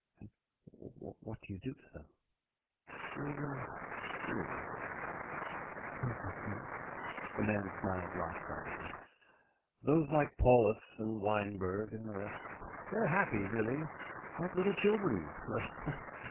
"And what do you do to them?" "We deal with them." "And those like me?" The man smiled lopsidedly. "Those like Paulus and Wineberg and the rest they're happy, really, like little children.